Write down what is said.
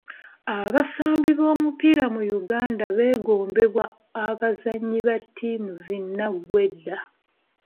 Abasambi b'omupiira mu Uganda beegombebwa abazannyi ba ttiimu zi nnaggwedda.